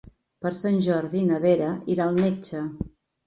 Per Sant Jordi na Vera irà al metge.